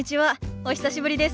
お久しぶりです。